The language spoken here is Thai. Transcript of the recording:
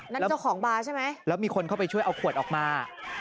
เจ้าของบาร์ใช่ไหมแล้วมีคนเข้าไปช่วยเอาขวดออกมา